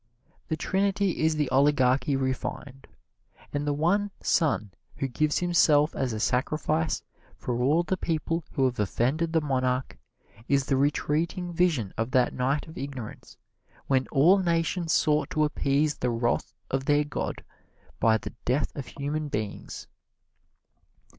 The Trinity is the oligarchy refined, and the one son who gives himself as a sacrifice for all the people who have offended the monarch is the retreating vision of that night of ignorance when all nations sought to appease the wrath of their god by the death of human beings.